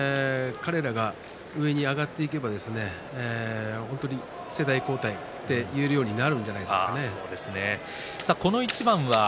彼らが上に上がっていけば本当に世代交代というようになるんじゃないでしょうか。